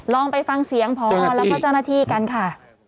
ลองไปฟังเสียงตัดละพ่อและเจ้าหน้าที่กันค่ะ